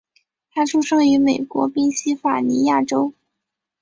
他出生于美国宾夕法尼亚州。